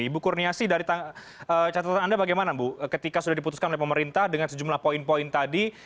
ibu kurniasi dari catatan anda bagaimana bu ketika sudah diputuskan oleh pemerintah dengan sejumlah poin poin tadi